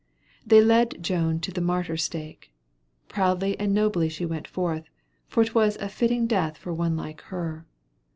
They led Joan to the martyr stake. Proudly and nobly went she forth, for it was a fitting death for one like her.